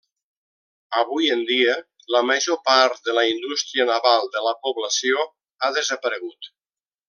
Avui en dia, la major part de la indústria naval de la població ha desaparegut.